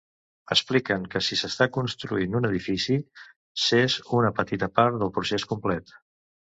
Expliquen que si s'està construint un edifici, s'és una petita part del procés complet.